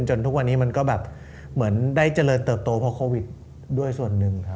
ทุกวันนี้มันก็แบบเหมือนได้เจริญเติบโตเพราะโควิดด้วยส่วนหนึ่งครับ